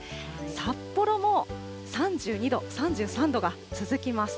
札幌も３２度、３３度が続きます。